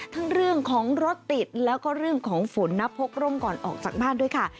เรื่องของรถติดแล้วก็เรื่องของฝนนะพกร่มก่อนออกจากบ้านด้วยค่ะ